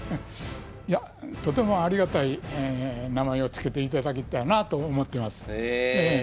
いやとてもありがたい名前を付けていただけたなと思ってます。